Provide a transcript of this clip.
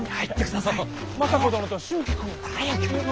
行ってください！